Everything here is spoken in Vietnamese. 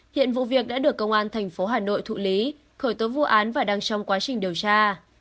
hiện vụ việc đã được công an thành phố hà nội thụ lý khởi tố vụ án và đang trong quá trình điều tra